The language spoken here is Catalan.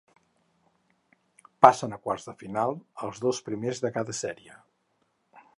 Passen a quarts de final els dos primers de cada sèrie.